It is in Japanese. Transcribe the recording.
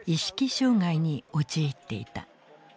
障害に陥っていた。